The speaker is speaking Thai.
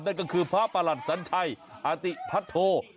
นั่นก็คือพระประหลัดสัญชัยอาติพัทโธ